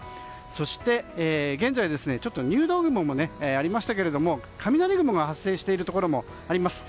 そして、現在入道雲もありましたが雷雲が発生しているところもあります。